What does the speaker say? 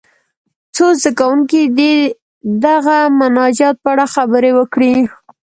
څو زده کوونکي دې د دغه مناجات په اړه خبرې وکړي.